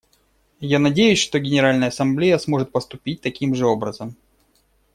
Я надеюсь, что Генеральная Ассамблея сможет поступить таким же образом.